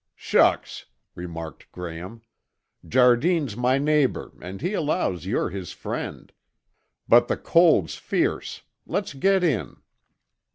"Shucks!" remarked Graham. "Jardine's my neighbor and he allows you're his friend. But the cold's fierce. Let's get in."